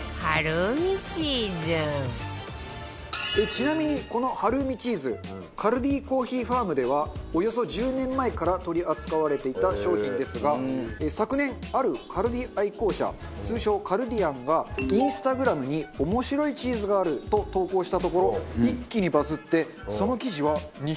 ちなみにこのハルーミチーズカルディコーヒーファームではおよそ１０年前から取り扱われていた商品ですが昨年あるカルディ愛好者通称カルディアンがＩｎｓｔａｇｒａｍに「面白いチーズがある」と投稿したところ一気にバズってその記事は２００万プレビューを記録。